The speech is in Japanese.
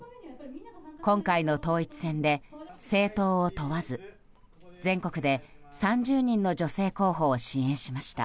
今回の統一選で、政党を問わず全国で３０人の女性候補を支援しました。